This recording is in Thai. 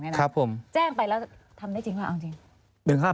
แจ้งไปแล้วทำได้จริงว่า